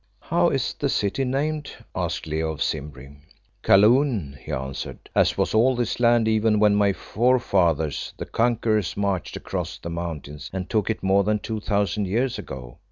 "How is the city named?" asked Leo of Simbri. "Kaloon," he answered, "as was all this land even when my fore fathers, the conquerors, marched across the mountains and took it more than two thousand years ago.